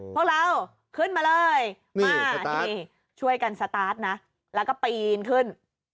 พวกเราขึ้นมาเลยมานี่ช่วยกันสตาร์ทนะแล้วก็ปีนขึ้น